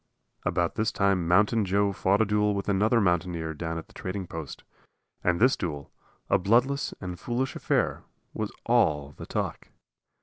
About this time Mountain Joe fought a duel with another mountaineer down at the trading post, and this duel, a bloodless and foolish affair, was all the talk.